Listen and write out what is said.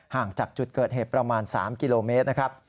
ห่างจากจุดเกิดเหตุประมาณ๓กิโลเมตรนะครับ